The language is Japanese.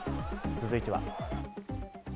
続いては。